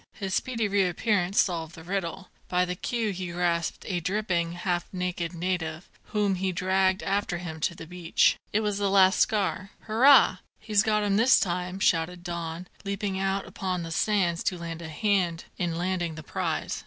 His speedy reappearance solved the riddle. By the queue he grasped a dripping, half naked native, whom he dragged after him to the beach. It was the lascar. "Hurrah! he's got him this time," shouted Don, leaping out upon the sands to lend a hand in landing the prize.